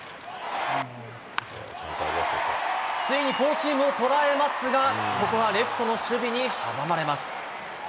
ついにフォーシームを捉えますが、ここはレフトの守備に阻まれます。